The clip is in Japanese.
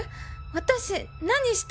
私何した？